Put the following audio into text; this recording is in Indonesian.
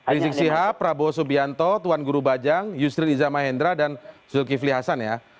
rizik sihab prabowo subianto tuan guru bajang yusril iza mahendra dan zulkifli hasan ya